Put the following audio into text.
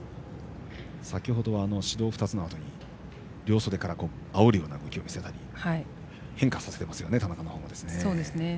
先ほどは指導２つのあとに両袖からあおるような動きを見せたり変化させていますよね、田中は。